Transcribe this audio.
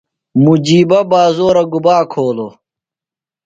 مجیبہ بازورہ گُبا کھولوۡ؟